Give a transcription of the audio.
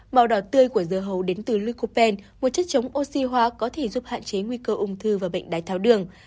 màu đỏ tươi của dơ hấu đến từ lycopene một chất chống oxy hóa có thể giúp hạn chế nguy cơ ung thư và bệnh đai thao đường